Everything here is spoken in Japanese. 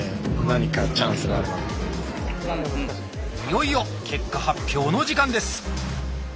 いよいよ結果発表の時間です。